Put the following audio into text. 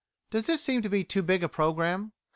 Does this seem to be too big a programme?